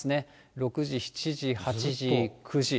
６時、７時、８時、９時。